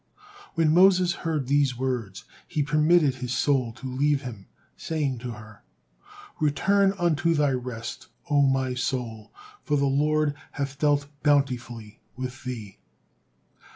When Moses heard these words, he permitted his soul to leave him, saying to her: "Return unto thy rest, O my soul; for the Lord hath dealt bountifully with thee."